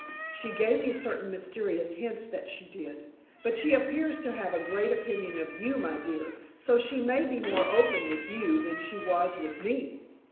"She gave me certain mysterious hints that she did. But she appears to have a great opinion of you, my dear, so she may be more open with you than she was with me."